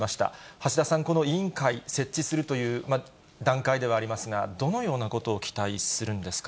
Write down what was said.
橋田さん、この委員会、設置するという段階ではありますが、どのようなことを期待するんですか。